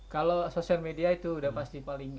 kalau sosial media itu udah pasti paling